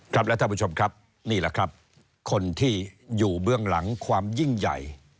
ครับและท่านผู้ชมครับนี่แหละครับคนที่อยู่เบื้องหลังความยิ่งใหญ่